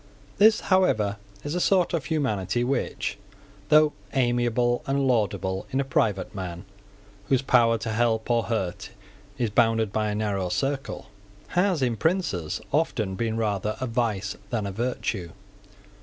This, however, is a sort of humanity which, though amiable and laudable in a private man whose power to help or hurt is bounded by a narrow circle, has in princes often been rather a vice than a virtue.